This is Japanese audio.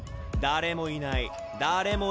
誰もいない。